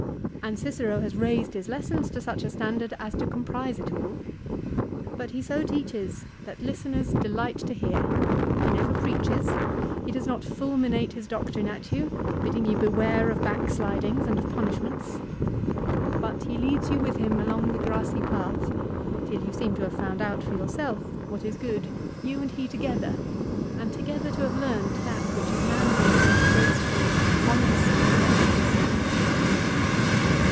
And Cicero has raised his lessons to such a standard as to comprise it all. But he so teaches that listeners delight to hear. He never preaches. He does not fulminate his doctrine at you, bidding you beware of backslidings and of punishments. But he leads you with him along the grassy path, till you seem to have found out for yourself what is good, you and he together, and together to have learned that which is manly, graceful, honest, and decorous.